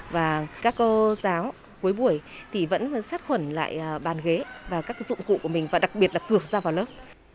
và các cô giáo cuối buổi thì vẫn sát khuẩn lại bàn ghế và các dụng cụ của mình và đặc biệt là cược ra vào lớp